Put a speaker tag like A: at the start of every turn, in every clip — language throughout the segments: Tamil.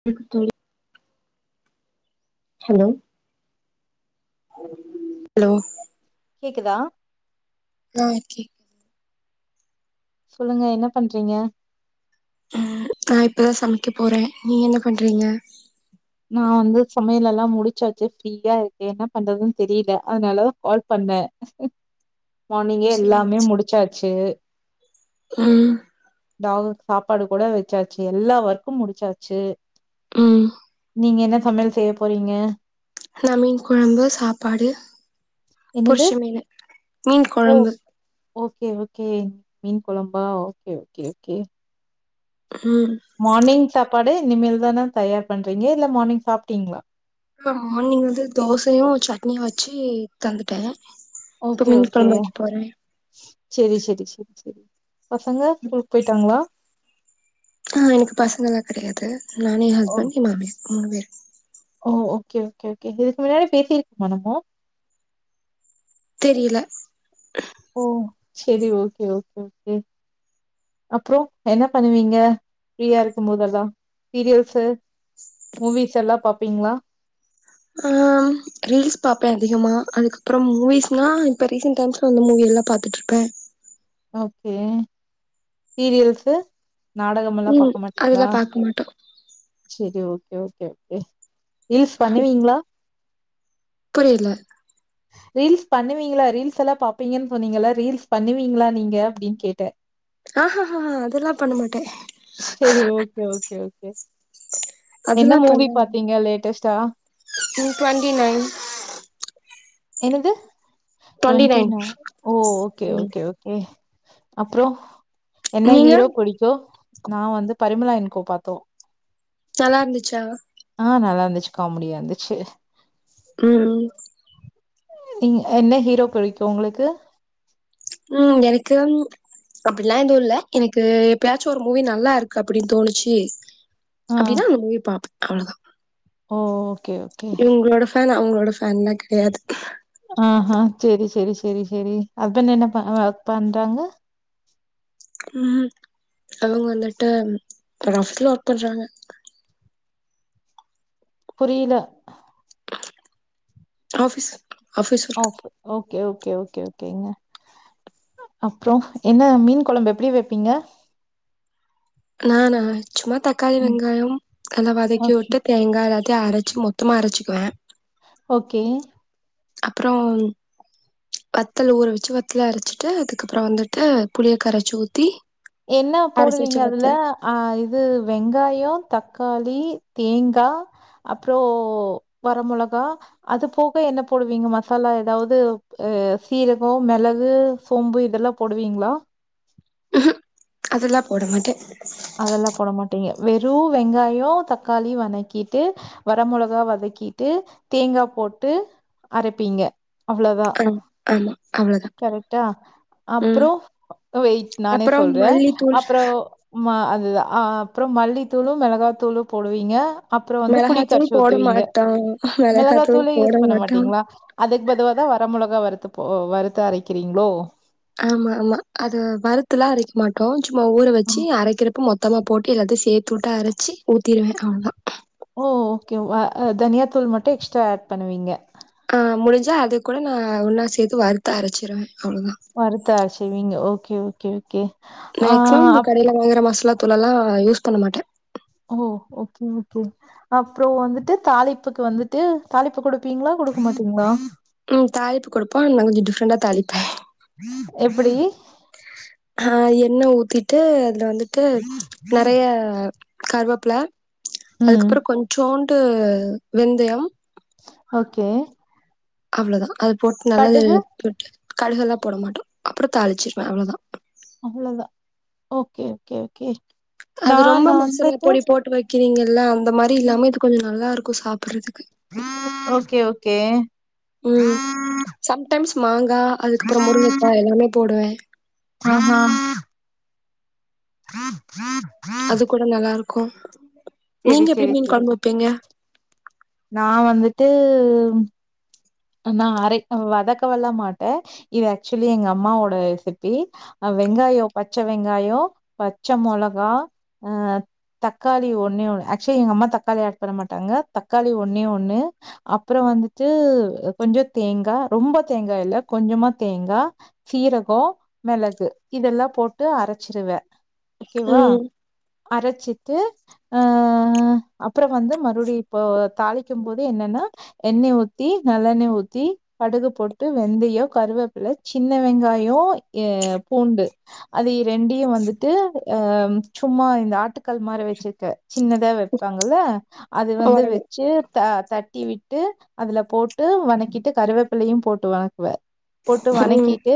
A: [unintelligible] ஹலோ ஹலோ
B: கேக்குதா
A: ம் கேக்
B: சொல்லுங்க என்ன பண்றீங்க
A: அ நா இப்போ தா சமைக்க போறே நீங்க என்ன பண்றீங்க
B: நா வந்து சமையல் எல்லா முடிச்சாச்சு ஃப்ரீயா இருக்கே என்ன பண்றதுன்னு தெரியல அதனால கால் பண்ண மார்னிங்கே
A: சேரிங்க
B: எல்லாமே முடிச்சாச்சு
A: ம்
B: டாக்குக்கு சாப்பாடு கூட வெச்சாச்சு எல்லா வர்க்கு முடிச்சாச்சு
A: ம்
B: நீங்க என்ன சமையல் செய்ய போறீங்க
A: ந மீன் கொழம்பு சாப்பாடு பொரிச்ச
B: என்னது
A: மீனு மீன்
B: ஓ
A: கொழம்பு
B: ஓகே ஓகே மீன் கொழம்பா ஓகே ஓகே ஒகே
A: ம்
B: மார்னிங் சாப்பாடு இனிமேல் தான தயார் பண்றீங்க இல்ல மார்னிங் சாப்பிட்டீங்ளா
A: ஆ மார்னிங்க வந்து தோசையு சட்னியு வச்சு தந்துட்டே இப்ப
B: ஓகே
A: மீன்
B: ஓகே
A: கொழம்பு வைக்க போறே
B: சேரி சேரி சேரி சேரி பசங்க ஸ்கூல்க்கு போயிட்டாங்களா
A: ஆ எனக்கு பசங்கல்லா கெடையாது நானு எ
B: ஓ
A: ஹஸ்பண்ட் எ மாமியாரு மூணு பேர்
B: ஓ ஓகே ஓகே ஓகே இதுக்கு முன்னாடி பேசியிருக்கமா நம்மோ
A: தெரியல
B: ஓ செரி ஓகே ஓகே ஓகே அப்றோ என்ன பண்ணுவீங்க ஃப்ரீயா இருக்கு போதெல்லா சீரியல்ஸ்சு மூவிஸ் எல்லா பாப்பீங்ளா
A: ஆ ம் ரீல்ஸ் பாப்பே அதிகமா அதுக்கப்புறம் மூவிஸ்னா இப்ப ரீசன்ட் டைம்ஸ் வந்த மூவியெல்லா பாத்துட்டு ருப்பே
B: ஓகே சீரியல்ஸ்சு நாடகமெல்லா
A: ம்
B: பாக்க மாட்டீங்ளா
A: அதெல்லா பாக்க மாட்டோ
B: செரி ஓகே ஓகே ஓகே ரீல்ஸ் பண்ணுவீங்ளா
A: புரியல
B: ரீல்ஸ் பண்ணுவீங்களா ரீல்ஸ் எல்லா பாப்பீங்கன்னு சொன்னீங்களே ரீல்ஸ் பண்ணுவீங்களா நீங்க அப்டின்னு கேட்டே
A: ஆஹஹஹா அதெல்லா பண்ணமாட்டே
B: சேரி ஓகே ஓகே ஓகே என்ன மூவி பாத்தீங்க லேட்டஸ்டா
A: டூவென்டி நைன்
B: என்னது
A: டுவெண்ட்டி நைன்
B: ஓ ஓகே
A: ம்
B: ஓகே ஓ கே அப்றோ என்ன
A: நீங்க
B: ஹீரோ புடிக்கு நா வந்து பரிமலா அன் கோ பாத்தோ
A: நல்லா இருந்துச்சா
B: ஆ நல்லா இருந்துச்சு காமெடியா இருந்துச்சு
A: ம்
B: ம் என்ன ஹீரோ பிடிக்கு உங்களுக்கு
A: ம் எனக்கு அப்டில்லா எதுவு இல்ல எனக்கு எப்பயாச்சு ஒரு மூவி நல்லா இருக்கு அப்டின் தோணுச்சு
B: ஆ
A: அப்டின்னா அந் மூவி பாப் அவ்ளதா
B: ஓ ஓகே ஓகே
A: ஃபேனா அவங்களோட ஃபேன்லா கெடையாது
B: ஆஹா சேரி சேரி சேரி சேரி ஹஸ்பண்ட் என்ன ப ஒர்க் பண்றாங்க.
A: ம் அவங்க வந்துட்டு ரஃப்ல ஒர்க் பண்றாங்க
B: புரியில
A: office
B: off okay okay okay ஓகேங்க அப்புறோ என்ன மீன் கொழம்பு எப்டி வைப்பீங்க
A: நானா சும்மா தக்காளி,
B: ம்
A: வெங்காயம் அதுல்லா வதக்கி
B: ஓகே
A: விட்டு தேங்காலா கா அரச்சு மொத்தமா அரச்சிக்குவே
B: ஓகே
A: அப்றோ வத்தல ஊற வெச்சு வத்தல அரச்சிட்டு அதுக்கப்புறோ வந்துட்டு புளியக்கரச்சு ஊத்தி
B: என்ன
A: அரைச்சு வச்ச
B: போடுவீங்க அதுல
A: வத்தல்
B: ஆ இது வெங்காயொ, தக்காளி, தேங்கா அப்புறோ வர மொளகா அது போக என்ன போடுவீங்க மசாலா ஏதாவது அ சீரகொ, மெளகு, சோம்பு இதெல்லா போடுவீங்களா
A: அதெல்லா போட மாட்டே
B: அதெல்லா போட மாட்டிங்க வெறு வெங்காயோ, தக்காளி வனக்கிட்டு வர மோளகா வதக்கிட்டு தேங்கா போட்டு அரப்பிங்க அவ்ளோதா
A: ஆ ம் ‌ஆமா அவ்ளோதா
B: கரெக்டா அப்புறோ வெயிட் நானே
A: அப்புறம்
B: சொல்றே
A: மல்லித்தூள்
B: அப்புறோ மா அது ஆ அப்புறோ மல்லித்தூளு, மெளகாத்தூளு போடுவீங்க. அப்புறோ வந்து புளி
A: மிளகாத்தூள்
B: கரச்சு
A: போட
B: ஊத்துவீங்க
A: மாட்டோ மிளகாத்தூள்
B: மெளகாத்தூளே
A: போட
B: யூஸ் பண்ண
A: மாட்டோ
B: மாட்டீங்களா. அதுக்கு பதுலா தா வர மொளகா வறுத்து போ வறுத்த அரைக்கிறீங்களோ?
A: ஆமா ஆமா அது வருத்துலா அரைக்க மாட்டோ சும்மா ஊற வெச்சு அரைக்கிறப்போ மொத் தமா போட்டு எல்லாத்தையு சேத்துவுட்டு அரச்சு ஊத்திடுவே அவ்ளதா
B: ஓ ஓகே வா அ தனியாத்தூள் மட்டு எக்ஸ்ட்ரா ஆட் பண்ணுவிங்க
A: ஆ முடிஞ்சா அது கூட நா ஒன்னா சேத்து வறுத்து அரச்சிருவே. அவ்ளதா
B: வறுத்து அருச்சுவிங்க ஓகே ஓகே ஓகே ஆ
A: மேக்சிமம்
B: அப்
A: கடையில வாங்குற மசாலாத்தூள்லாம் யூஸ் பண்ண மாட்டே.
B: ஓ ஓகே ஓகே அப்றோம் வந்துட்டு தாளிப்புக்கு வந்துட்டு தாளிப்பு குடுப்பீங்ளா குடுக்க மாட்டீங்ளா
A: உம் தாளிப்பு குடுப்பே கொஞ்சோ டிஃப்ரண்டா தாளிப்பே.
B: எப்டி?
A: ஆ எண்ணெ ஊத்திட்டு அதுல வந்துட்டு நெறைய கருவேப்ல
B: ம்
A: அதுக்கப்றோ கொஞ்சோண்டு வெந்தயம்
B: ஓகே
A: அவ்ளோதா அத போட்டு நல்லா
B: கடுகு
A: போட்டு கடுகள்லா போட மாட்டோ அப்றோ தாளிச்சிருவே அவ்ளவுதா
B: அவ்ளவுதா ஓகே ஓகே ஓகே நா
A: அது ரொம்ப
B: நா
A: மசாலா
B: வந்துட்டு
A: பொடி போட்டு வக்கிறீங்கல்ல அந்த மாதிரி இல்லாம இது கொஞ்சோம் நல்லா இருக்கும் சாப்றதுக்கு
B: ஓகே ஓகே
A: உம் சம்டைம்ஸ் மாங்கா அதுக்கப்றோ முருங்கைக்கா எல்லாமே போடுவே
B: ஆஹா [inaudible]
A: அது கூட நல்லா இருக்கும்
B: செரி
A: நீங்க எப்டி
B: செரி
A: மீன்
B: செரி
A: கொழம்பு வப்பீங்க
B: நா வந்துட்டு நா அரை வதக்கல்ல மாட்டே இது ஆக்சுவலி எங்க அம்மாவோட ரெசிபி அ வெங்காயோ பச்ச வெங்காயோ பச்சை மிளகா அ தக்காளி ஒண்ணே ஒண்ணு ஆக்சுவலி எங்க அம்மா தக்காளி ஆட் பண்ண மாட்டாங்க தக்காளி ஒண்ணே ஒண்ணு அப்றோ வந்துட்டு கொஞ்சோ தேங்கா ரொம்ப தேங்கா இல்ல கொஞ்சமா தேங்கா சீரகோ மிளகு இதல்லாம் போட்டு அரச்சிருவே ஓகேவா
A: ம்
B: அரச்சிட்டு அ அப்றோம் வந்து மறுபடியும் இப்போ தாளிக்கும் போது என்னன்னா எண்ணெ ஊத்தி நல்லெண்ணெ ஊத்தி கடுகு போட்டு வெந்தயோ கருவேப்பில சின்ன வெங்காயம் அ பூண்டு அது ரெண்டையும் வந்துட்டு அ சும்மா இந்த ஆட்டுக்கல் மாரி வச்சிருக்க சின்னதா வைப்பாங்கள அது வந்து
A: ஓரளவு
B: வச்சு தட்டி விட்டு அதுல போட்டு போட்டு வணக்கிட்டு கருவேப்பிலையும் போட்டு வதக்குவேன் போட்டு
A: ம்
B: வதக்கிட்டு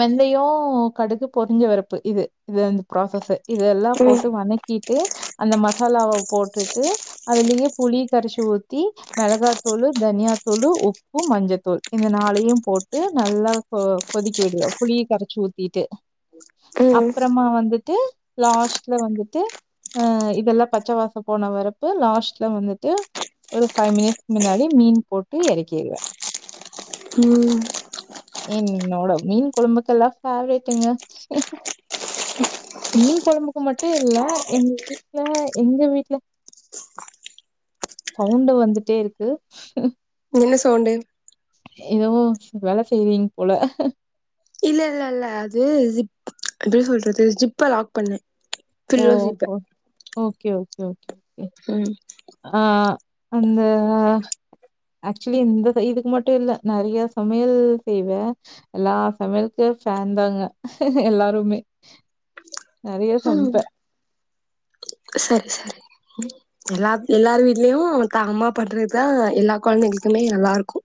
B: வெந்தயோம் கடுகு பொரிஞ்ச வரப்பு இது இது அந்த ப்ராசஸ்சு இதெல்லாம் போட்டு வனக்கிட்டு அந்த மசாலாவ போட்டுட்டு அதுலே புளி கரச்சு ஊத்தி மெளகாத்தூளு தனியாதூளு தூளு உப்பு மஞ்சத்தூள் இந்த நாளையும் போட்டு நல்லா கொ கொதிக்கி விடுவே புளியை கரைச்சி ஊற் ட்டு
A: ம்
B: அப்றமா வந்துட்டு லாஸ்ட்ல வந்துட்டு அ இதெல்லாம் பச்ச வாசம் போன வரப்பு லாஸ்ட்ல வந்துட்டு ஒரு பைவ் மினிட்ஸ்க்கு மின்னாடி மீன் போட்டு இறக்கிடுவே
A: உம்
B: என்னோட மீன் கொழபுக்கெல்லா பேவரட்டுங்க மீன் கொழம்புக்கு மட்டும் இல்ல எங்க வீட்ல எங்க வீட்ல சவுண்டு வந்துட்டே இருக்கு
A: என்ன சவுண்டு
B: எதுவும் வேல செய்வீங்க போல
A: இல்ல இல்ல இல்ல அது ஜிப் எப்டி சொல்றது ஜிப் லாக் பண்ணே பில்லோ ஜிப்ப
B: ஓஹோ ஓகே ஓகே ஓகே ஓகே.
A: உம்
B: ஆ அந்த ஆக்சுவலி இந்த இதுக்கு மட்டு இல்ல நெறய சமையல் செய்வே எல்லா சமையலுக்கு ஃபேன் தாங்க எல்லாருமே நெறய
A: ம்
B: சமைப்பே
A: சரி சரி எல்லா எல்லார் வீட்லயு தா அம்மா பண்றதுதா எல்லா கொழந்தைகளுக்குமே நல்லா இருக்கு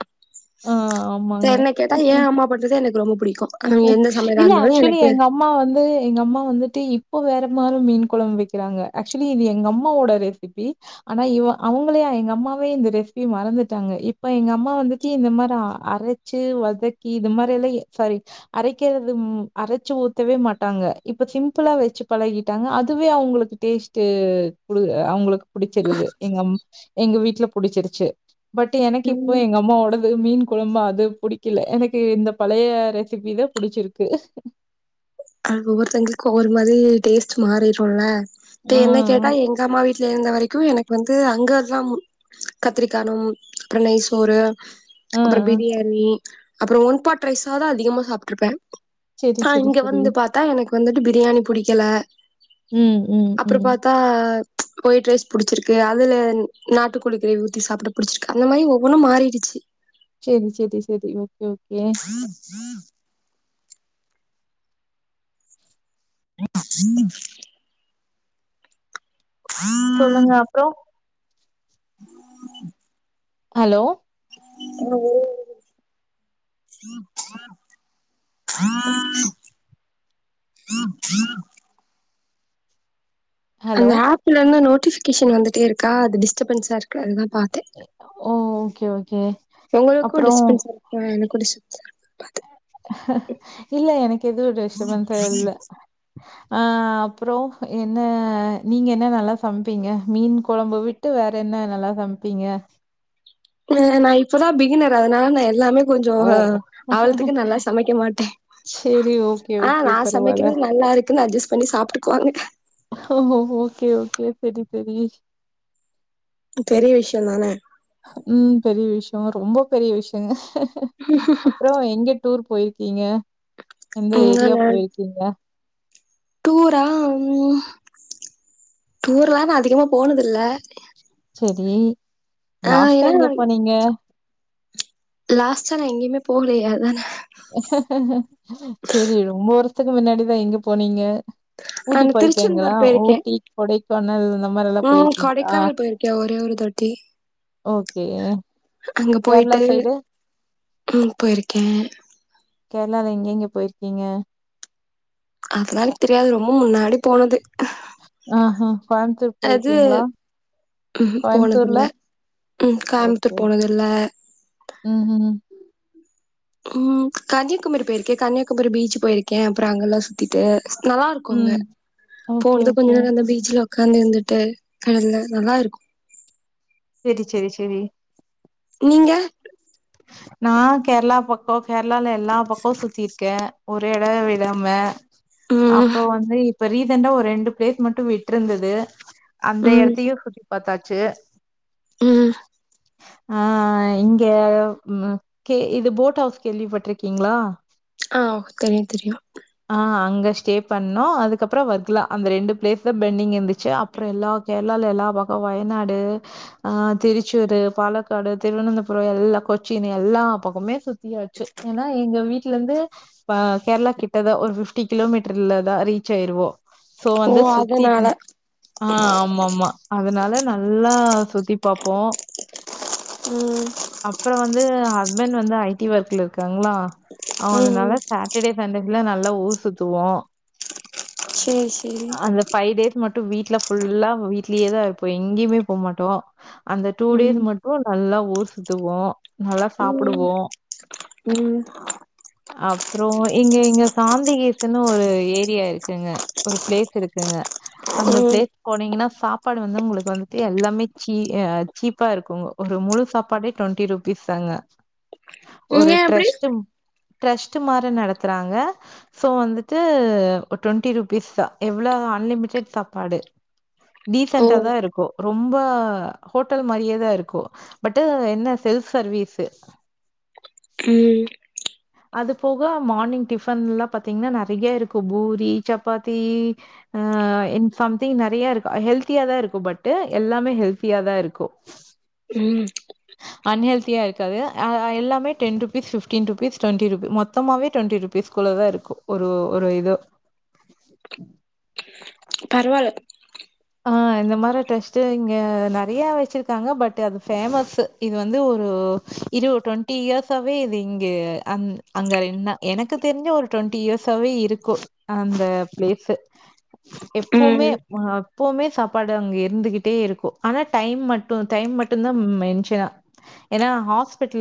B: ஆ ஆமாங்க.
A: என்ன கேட்டா எ அம்மா பண்றதுத எனக்கு ரொம்ப புடிக்கு அ எந்த சமையலா
B: இல்ல
A: இருந்தாலு
B: ஆக்சுவலி
A: எனக்கு
B: எங்க அம்மா வந்து எங்க அம்மா வந்துட்டு இப்போ வேற மாதிரி மீன் கொழம்பு வக்குறாங்க ஆக்சுவலி இது எங்க அம்மாவோட இப்டி ஆனா இவ அவுங்களா எங்க அம்மாவே இந்த ரெசிபிய மறந்துட்டாங்க இப்ப எங்க அம்மா வந்துட்டு இந்த மாதிரி அர ச்சு வதக்கி இந்த மாரி எல்லா சாரி அரைக்குறது அரச்சு ஊத்தவே மாட்டாங்க இப்ப சிம்பிளா வச்சு பழகிட்டாங்க அதுவே அவுங்களுக்கு டேஸ்ட் அவுங்களுக்கு புடுச்சிருது எங்க எங்க வீட்ல புடுச்சிருச்சு பட் எனக்கு இப்போ
A: ம்
B: எங்க அம்மாவோடது மீன் கொழம்பு அது புடிக்கல எனக்கு இந்த ப பழைய ரெசிபி தா புடுச்சிருக்கு
A: அது ஒவ்வொருத்தவங்களுக்கு ஒவ்வொரு மாதிரி டேஸ்டு மாறிருல்ல இப்ப
B: ஆ,
A: என்ன கேட்டா எங்க எங்க அம்மா வீட்ல இருந்த வரைக்கு எனக்கு வந்து அங்கல்லா கத்திரிக்காணும் அப்பறோ நெய் சோறு
B: ஆ,
A: அப்பறோ
B: ஆ.
A: பிரியாணி அப்பறோ ஒன் பாட் ரைஸாதா அதிகமா சாப்ட்டுருப்பே
B: சரி,
A: ஆ
B: சரி,
A: இங்க
B: சரி.
A: வந்து பாத்தா எனக்கு வந்துட்டு பிரியாணி புடிக்கல
B: ம் ம் ம்
A: ஆ ஒயிட் ரைஸ் புடிச்சிருக்கு அதுல நாட்டுகோழி கிரேவி ஊத்தி சாப்ட புடிச்சிருக்கு அந்த மாரி ஒவ்வொன்னு மாறிடுச்சு
B: செரி செரி செரி ஓகே ஓகே
A: ம் ம் [unintelligible] ம் [unintelligible] ம் [unintelligible]
B: சொல்லுங்க அப்றோ
A: ம் [unintelligible]
B: அலோ
A: அலோ [inaudible]
B: ஹலோ.
A: அந்த ஆப்ல இருந்து நோட்டிபிகேஷன் வந்துட்டே இருக்கா அது டிஸ்டப்பன்ஸா இருக்கு அதுதா பாத்
B: ஓ ஓகே ஓகே அப்றோ
A: ம் குடி சுத்த
B: இல்ல எனக்கு எதுவு டிஸ்டபன்ஸா இல்ல அ அப்றோ என்ன நீங்க என்ன நல்லா சமைப்பீங்க மீன் கொழம்ப வித் விட்டு வேற என்ன நல்லா சமைப்பீங்க
A: இல்ல நா இப்பதா பிகினரு அதனால நா எல்லாமே கொஞ்சோ
B: ஓ!
A: ஆவலத்துக்கு நல்லா சமைக்க மாட்டே
B: சரி, ஓகே,
A: ஆ
B: ஓகே.
A: நா
B: பரவால்ல.
A: சமைக்குறது நல்லா இருக்குன்னு அட்ஜஸ்ட் பண்ணி சாப்ட்டுக்குவாங்க
B: ஓ ஓ ஓகே ஓகே செரி செரி
A: பெரிய விஷயோ தான
B: ம் பெரிய விஷயோ ரொம்ப பெரிய விஷயோங்க அப்றோ எங்க டூர் போயிருக்கீங்க எந்த
A: ம்
B: ஏரியா
A: நானு
B: போயிருக்கீங்க
A: டூரா டூர்லா நா அதிகமா போனதில்ல
B: செரி
A: ஆ
B: லாஸ்ட்டா
A: ஏன்னா
B: எங்க போனீங்க
A: லாஸ்டா நா எங்கயுமே போகலையே அதான
B: செரி ரொம்ப வருஷத்துக்கு முன்னாடிதா எங்க போனீங்க ஊட்டி
A: ஆனா
B: பொறிக்கீங்களா
A: திருச்செந்தூர் போயிருக்கேன்.
B: ஊட்டி கொடைக்கானல் இந்த மாரில்லா போயிருக்கீங்களா
A: தே
B: ஓகே கேர்ளா
A: போயிட்டு
B: சைடு
A: ம் போயிருக்கே
B: கேர்ளால எங்க எங்க போயிருக்கீங்க
A: அதல்லா எனக்கு தெரியாது ரொம்ப முன்னாடி போனது
B: ஆ ஆ கோயம்த்தூர் போயிருக்கீங்ளா
A: ம் ஹு போனது இல்ல ம் கோயம்த்தூர் போனது இல்ல
B: ம் ம்
A: ம் கன்யாகுமரி போயிருக்கே கன்யாகுமரி பீச் போயிருக்கே அப்புற அங்கெல்லா சுத்திட்டு நல்லாருக்கு அங்க
B: ம். ஓகே,
A: போனது கொஞ்ச
B: ஓகே.
A: நேர அந்த பீச்ல ஒ காந்து இருந்துட்டு கல்ல நல்லா இருக்கு
B: செரி செரி சேரி
A: நீங்க
B: நா கேரளா பக்கோ கேரளால எல்லா பக்கமு சுத்திருக்கே ஒரு எட விடாம
A: ம்.
B: அப்போ வந்து இப்ப ரீசன்டா ஒரு ரெண்டு பிளேஸ் மட்டு விட்டுருந்தது அந்த
A: ம்.
B: எடத்தையு சுத்தி பாத்தாச்சு
A: ம்
B: ஆ இங்க கே இது போட் ஹவுஸ் கேள்விப்பட்ருக்கீங்களா
A: ஆ தெரியு தெரியு
B: ஆ அங்க ஸ்டே பண்ணோ அதுக்கப்பற வர்க்லா அந்த ரெண்டு பிளேஸு பென்டிங் இருந்துச்சு அ அப்பற எல்லா கேரளால எல்லா பக்கம் வயநாடு ஆ திருச்சூரு பாலக்காடு திருவனந்தபுரம் எல்லா கொ ச்சின் எல்லா பக்கமே சுத்தியாச்சு ஏனா எங்க வீட்ல இருந்து ப கேரளா கிட்டதா ஒரு பிஃப்டி கிலோமீட்டர்ல தா ரீச் ஆயிருவோ சோ
A: ஓ
B: வந்து சுத்தி
A: அதனால
B: ஆ ஆமா ஆமா அதுனால நல்லா சுத்தி பாப்போ
A: ம்
B: அப்பற வந்து ஹஸ்பண்ட் வந்து ஐடி ஒர்க்ல இருக்காங்களா அவ
A: ம்
B: வந்தனால ட்டர்டே சன்டேஸ்ல நல்லா ஊர் சுத்துவோ
A: சேர் சேரி
B: ஃபை டேஸ் மட்டு வீட்ல ஃபுல்லா வீட்லேயேதா இருப்போ எங்கேயுமே போ மாட்டோ அந்த டூ
A: ம்
B: டேஸ் மட்டு நல்லா ஊர் சுத்துவோ நல்லா
A: ம்
B: சாப்புடுவோ
A: ம்
B: அப்றோ இங்க இங்க சாந்திகீஸ்ன்னு ஒரு ஏரியா இருக்குங்க ஒரு ப்ளேஸ் இருக்குங்க அந்த பிளே
A: ம்
B: போனீங்கன்னா சாப்பாடு வந்து உங்களுக்கு வந்துட்டு எல்லாமே சீ ஆ சீப்பா இருக்குங்க ஒரு முழு சாப்பாடே டொண்ட்டி பீசாங்க ஒரு
A: நீங்க எப்டி
B: டிரஸ்ட் டிரஸ்ட் மாரி நடத்துறாங்க சோ வந்துட்டு ஒரு டொண்ட்டி ருபீஸ் தா எவ்ளோ அன்லிமிடெட் சாப்பாடு
A: ஓ
B: டீசன்டா தா இருக்கு ரொம்ப ஹோட்டல் மாரியேதா இருக்கு பட்டு என்ன செல்ஃப் சர்வீஸு
A: ம்
B: அது போக மார்னிங் டிஃபன்ல்லா பாத்தீங்ன்னா நறைய இருக்கு பூரி சப்பாத்தி அ சம்திங் நெறைய இருக்கு ஹெல்த்தியா தா இருக்கு பட்டு எல்லாமே ஹெல்த்தியா தா இருக்கு
A: ம்
B: அன் ஹெல்தியா இருக்காது அ எல்லாமே ten rupees fifteen rupees twenty rupee மொத்தாமாவே டுவெண்டி ருபீஸ் பீஸ்குள்ள தா இருக்கு ஒரு ஒரு இதோ
A: பரவால்ல
B: ஆ இந்த மாரி டெஸ்ட்டு இங்க நெறைய வச்சிருக்காங்க பட் அது ஃபேமஸு இது வந்து ஒரு இரு டுவெண்ட்டி இயர்ஸாவே இது இங்க அ அங்க என்ன எனக்கு தெரிஞ்சு ஒரு டுவெண்ட்டி இயர்ஸாவே இருக்கு அந்த பிளேஸு எப்போமே
A: ம்
B: அஹ் எப்பவுமே சாப்பாடு அங்க இருந்துகிட்டே இருக்கு ஆனா டைம் மட்டு டைம் மட்டு தா மென்ச்சனா ஏன்னா ஹாஸ்பிட்டல்ல